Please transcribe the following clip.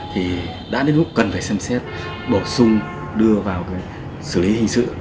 thì đã đến lúc cần phải xem xét bổ sung đưa vào xử lý hình sự